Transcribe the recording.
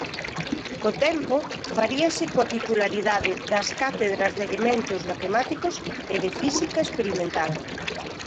Co tempo, faríase coa titularidade das Cátedras de Elementos Matemáticos e de Física Experimental.